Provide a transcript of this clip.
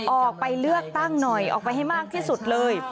ออกไปเลือกตั้งหน่อยออกไปให้มากที่สุดเลย